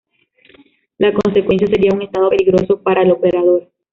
La consecuencia sería un estado peligroso para el operador.